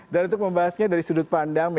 dan untuk membahasnya dari sudut pandang